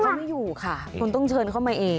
เขาไม่อยู่ค่ะคุณต้องเชิญเข้ามาเอง